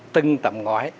từng tầm ngõi